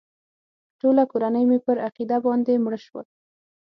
ټوله کورنۍ مې پر عقیده باندې مړه شول.